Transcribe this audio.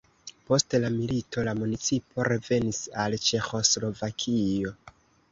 Post la milito la municipo revenis al Ĉeĥoslovakio.